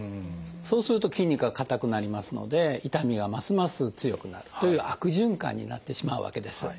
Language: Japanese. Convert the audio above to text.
そうすると筋肉が硬くなりますので痛みがますます強くなるという悪循環になってしまうわけです。